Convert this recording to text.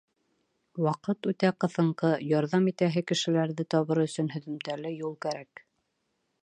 Ваҡыт үтә ҡыҫынҡы, ярҙам итәһе кешеләрҙе табыр өсөн һөҙөмтәле юл кәрәк!